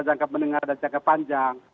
jangka menengah dan jangka panjang